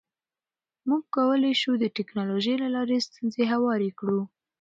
موږ کولی شو د ټکنالوژۍ له لارې ستونزې هوارې کړو.